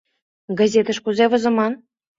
ГАЗЕТЫШ КУЗЕ ВОЗЫМАН?